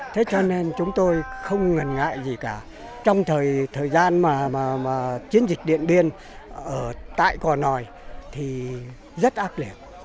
thế cho nên chúng tôi không ngần ngại gì cả trong thời gian mà chiến dịch điện biên tại cò nòi thì rất ác liệt